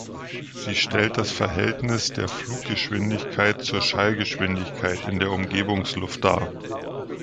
Sie stellt das Verhältnis der Fluggeschwindigkeit zur Schallgeschwindigkeit in der Umgebungsluft dar.